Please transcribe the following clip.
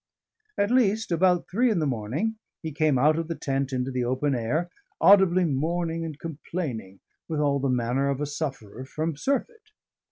At least, about three in the morning, he came out of the tent into the open air, audibly mourning and complaining, with all the manner of a sufferer from surfeit.